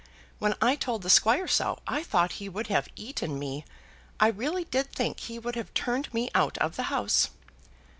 When I told the squire so I thought he would have eaten me. I really did think he would have turned me out of the house."